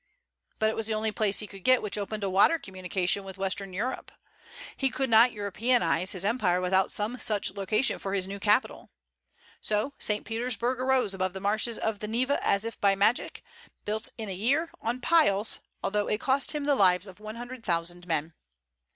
But it was the only place he could get which opened a water communication with Western Europe. He could not Europeanize his empire without some such location for his new capital. So St. Petersburg arose above the marshes of the Neva as if by magic, built in a year, on piles, although it cost him the lives of one hundred thousand men.